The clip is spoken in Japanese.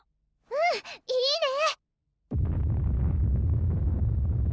うんいいね！